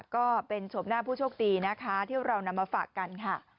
ก็เป็นโฉมหน้าผู้โชคดีนะคะที่เรานำมาฝากกันค่ะ